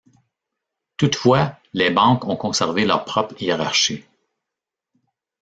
Toutefois, les banques ont conservé leur propre hiérarchie.